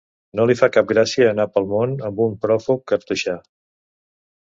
No li fa cap gràcia, anar pel món amb un pròfug cartoixà.